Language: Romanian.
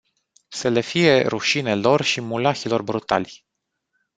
Să le fie rușine lor și mulahilor brutali.